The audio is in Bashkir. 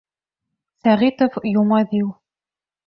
— Сәғитов Йомаҙил.